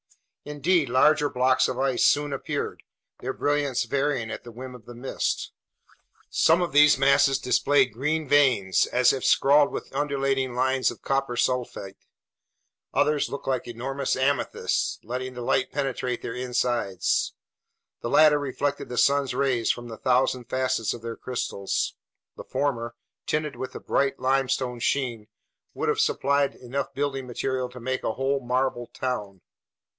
Indeed, larger blocks of ice soon appeared, their brilliance varying at the whim of the mists. Some of these masses displayed green veins, as if scrawled with undulating lines of copper sulfate. Others looked like enormous amethysts, letting the light penetrate their insides. The latter reflected the sun's rays from the thousand facets of their crystals. The former, tinted with a bright limestone sheen, would have supplied enough building material to make a whole marble town.